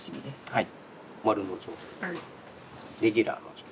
はい。